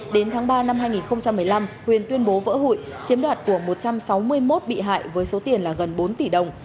đến tháng ba năm hai nghìn một mươi năm huyền tuyên bố vỡ hụi chiếm đoạt của một trăm sáu mươi một bị hại với số tiền là gần bốn tỷ đồng